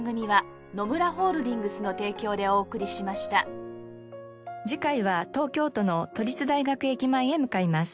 もちろん次回は東京都の都立大学駅前へ向かいます。